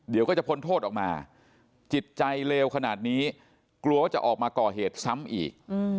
เดี๋ยวก็จะพ้นโทษออกมาจิตใจเลวขนาดนี้กลัวว่าจะออกมาก่อเหตุซ้ำอีก